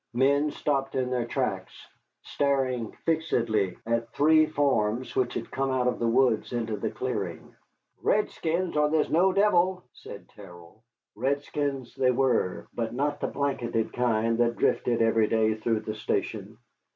Men stopped in their tracks, staring fixedly at three forms which had come out of the woods into the clearing. "Redskins, or there's no devil!" said Terrell. Redskins they were, but not the blanketed kind that drifted every day through the station.